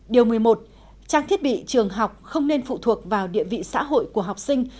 điều một mươi một trang thiết bị trường học không nên phụ thuộc vào địa vị xã hội của học sinh